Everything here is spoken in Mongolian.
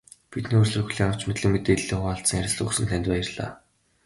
Бидний урилгыг хүлээн авч, мэдлэг мэдээллээ хуваалцан ярилцлага өгсөн танд баярлалаа.